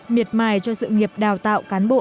miệt mài cho sự nghiệp đào tạo cán bộ